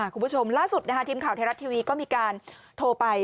คุณผู้ชมล่าสุดทีมข่าวไทยรัฐทีวีก็มีการโทรไป